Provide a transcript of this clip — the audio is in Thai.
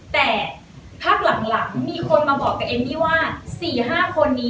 แต่พักหลังมีคนมาบอกกับเอมมี่ว่า๔๕คนนี้